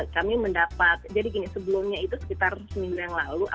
kami mendapat jadi gini sebelumnya itu sekitar seminggu yang lalu